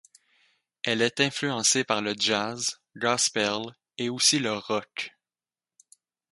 Elle est influencée par le jazz, gospel et aussi le rock.